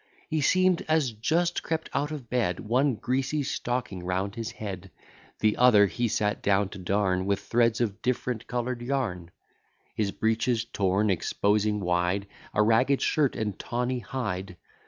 He seem'd as just crept out of bed; One greasy stocking round his head, The other he sat down to darn, With threads of different colour'd yarn; His breeches torn, exposing wide A ragged shirt and tawny hide.